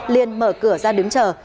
liền mở cửa ra đứng chở